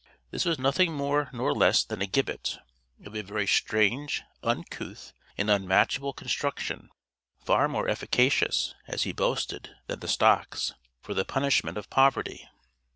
This was nothing more nor less than a gibbet, of a very strange, uncouth, and unmatchable construction, far more efficacious, as he boasted, than the stocks, for the punishment of poverty.